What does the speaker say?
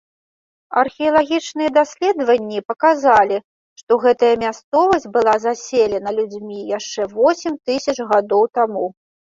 Археалагічныя даследаванні паказалі, што гэтая мясцовасць была заселена людзьмі яшчэ восем тысяч гадоў таму.